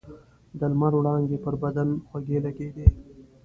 د لمر وړانګې پر بدن خوږې لګېدې.